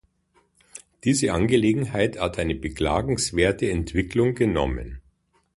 Diese Angelegenheit hat eine beklagenswerte Entwicklung genommen.